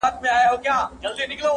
یار نوشلی یې په نوم دمیو جام دی,